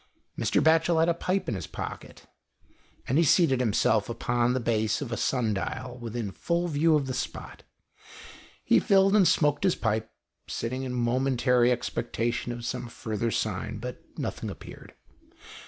Mr. Batchel had a pipe in his pocket, and he 77 (IHOST TALES. seated himself upon the base of a sun dial within full view of the spot. He filled and smoked his pipe, sitting in momentary expecta tion of some further sign, but nothing appeared.